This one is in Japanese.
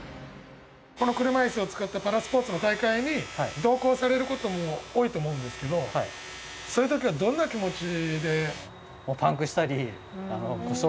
この車いすを使ったパラスポーツの大会に同行されることも多いと思うんですけどそういう時はどんな気持ちで？